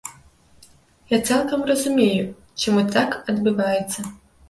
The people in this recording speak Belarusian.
Я цалкам разумею, чаму так адбываецца.